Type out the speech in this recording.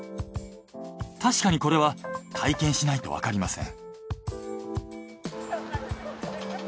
確かにこれは体験しないとわかりません。